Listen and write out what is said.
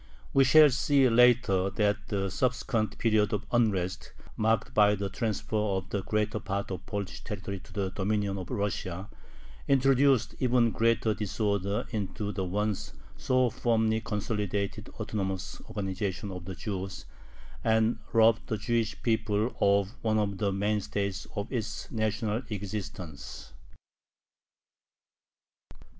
We shall see later that the subsequent period of unrest, marked by the transfer of the greater part of Polish territory to the dominion of Russia, introduced even greater disorder into the once so firmly consolidated autonomous organization of the Jews, and robbed the Jewish people of one of the mainstays of its national existence.